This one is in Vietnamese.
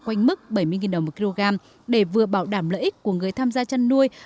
quanh mức bảy mươi đồng một kg để vừa bảo đảm lợi ích của người tham gia chăn nuôi